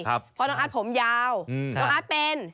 เพราะน้องอาร์ตผมยาวน้องอาร์ตเป็น